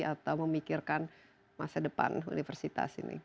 atau memikirkan masa depan universitas ini